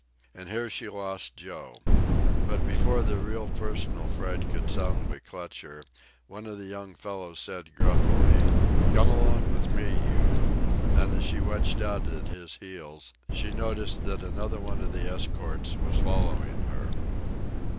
And here she lost Joe. But before the real personal fright could soundly clutch her, one of the young fellows said gruffly, "Come along with me, you," and as she wedged out at his heels she noticed that another one of the escort was following her.